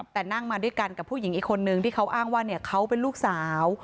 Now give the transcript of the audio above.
แต่นั่งมาด้วยกันกับผู้หญิงอีกคนนึงที่เขาอ้างว่าเขาเป็นลูกสาว